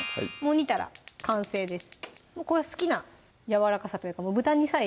煮たら完成です